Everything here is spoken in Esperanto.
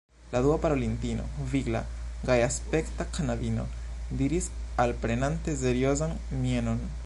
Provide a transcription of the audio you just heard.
La dua parolintino, vigla, gajaspekta knabino, diris alprenante seriozan mienon: